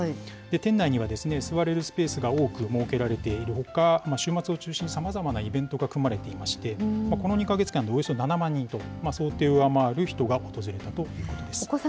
店内には、座れるスペースが多く設けられているほか、週末を中心にさまざまなイベントが組まれていまして、この２か月間でおよそ７万人と、想定を上回る人が訪れたということです。